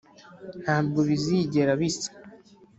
ntabwo bizigera bisa.